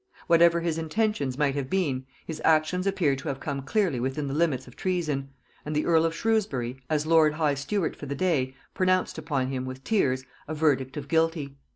Whatever his intentions might have been, his actions appear to have come clearly within the limits of treason; and the earl of Shrewsbury, as lord high steward for the day, pronounced upon him, with tears, a verdict of Guilty.